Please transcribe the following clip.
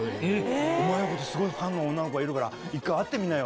「お前の事すごいファンの女の子がいるから一回会ってみなよ」。